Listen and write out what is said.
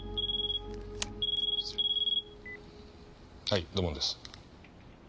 はい土門です。